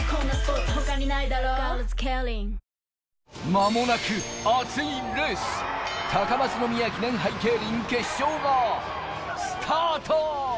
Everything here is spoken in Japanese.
間もなくアツいレース、高松宮記念杯競輪・決勝がスタート！